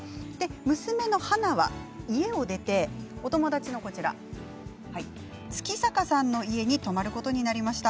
娘の花は家を出てお友達のこちら月坂さんの家に泊まることになりました。